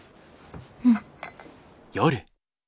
うん。